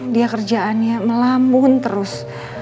dia kerjaannya melambun terus